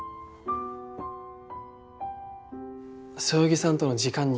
そよぎさんとの時間に。